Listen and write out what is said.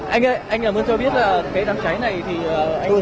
anh ơi anh muốn cho biết là cái đám cháy này thì